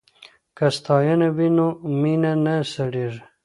که ستاینه وي نو مینه نه سړیږي.